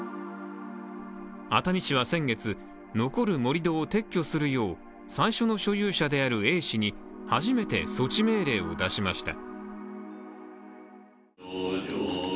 熱海市は、先月、残る盛り土を撤去するよう最初の所有者であるＡ氏に、初めて、措置命令を出しました。